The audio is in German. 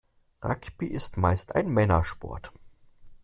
Rugby ist meist ein Männersport.